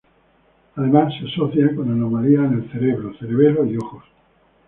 Además se asocia con anomalías en el cerebro, cerebelo y ojos.